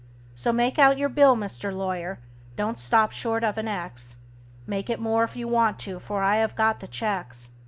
So make out your bill, Mr. Lawyer: don't stop short of an X; Make it more if you want to, for I have got the checks.